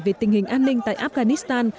về tình hình an ninh tại afghanistan